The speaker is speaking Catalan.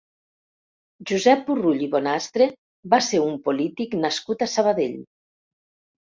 Josep Burrull i Bonastre va ser un polític nascut a Sabadell.